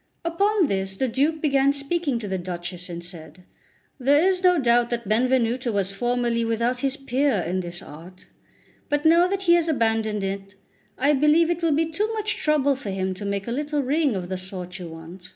Upon this the Duke began speaking to the Duchess, and said: "There is no doubt that Benvenuto was formerly without his peer in this art; but now that he has abandoned it, I believe it will be too much trouble for him to make a little ring of the sort you want.